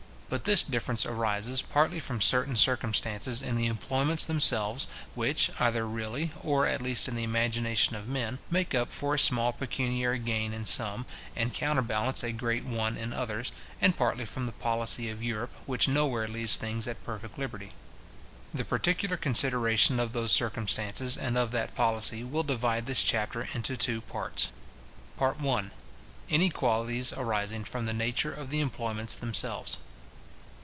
But this difference arises, partly from certain circumstances in the employments themselves, which, either really, or at least in the imagination of men, make up for a small pecuniary gain in some, and counterbalance a great one in others, and partly from the policy of Europe, which nowhere leaves things at perfect liberty. The particular consideration of those circumstances, and of that policy, will divide this Chapter into two parts. PART I. Inequalities arising from the nature of the employments themselves.